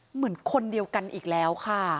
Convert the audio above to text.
เหมือนคนเดียวกันอีกแล้วค่ะ